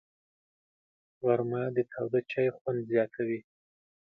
غرمه د تاوده چای خوند زیاتوي